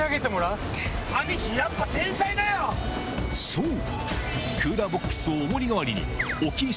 そう！